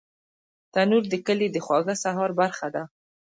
تنور د کلي د خواږه سهار برخه ده